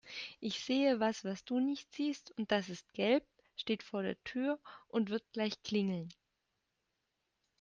Ich sehe was, was du nicht siehst und das ist gelb, steht vor der Tür und wird gleich klingeln.